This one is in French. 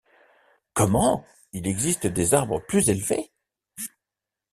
Comment! il existe des arbres plus élevés?